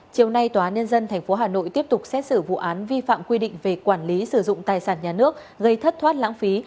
chiều nay tòa án nhân dân tp hà nội tiếp tục xét xử vụ án vi phạm quy định về quản lý sử dụng tài sản nhà nước gây thất thoát lãng phí